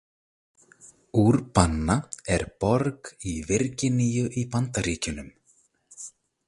Urbanna er borg í Virginíu í Bandaríkjunum.